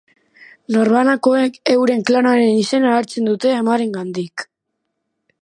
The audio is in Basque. Norbanakoek euren klanaren izena hartzen dute amarengandik.